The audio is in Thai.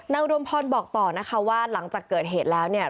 อุดมพรบอกต่อนะคะว่าหลังจากเกิดเหตุแล้วเนี่ย